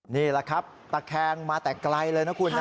นี่แหละครับตะแคงมาแต่ไกลเลยนะคุณนะ